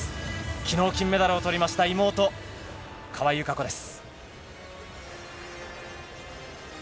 きのう金メダルをとりました妹、川井友香子です。